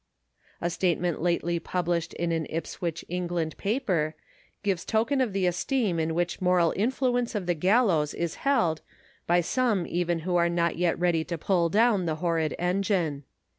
A statement lately published in an Ipswich, (Eng.,) paper, gives token of the esteem in which the moral influence of the gallows is held by some even who are not yet ready to pull down the horrid engine.